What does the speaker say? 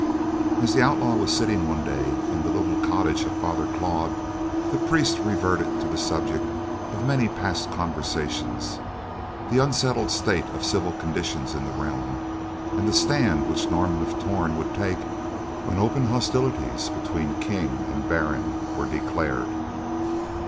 As the outlaw was sitting one day in the little cottage of Father Claude, the priest reverted to the subject of many past conversations; the unsettled state of civil conditions in the realm, and the stand which Norman of Torn would take when open hostilities between King and baron were declared.